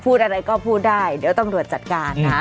พูดอะไรก็พูดได้เดี๋ยวตำรวจจัดการนะ